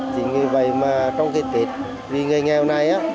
vì vậy trong kết kết vì người nghèo này